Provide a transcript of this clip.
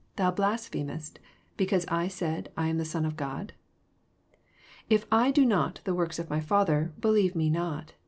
Thou blasphemest; because I said, I am the Son of God 7 37 If I do not the works of my Fa ther, believe me not.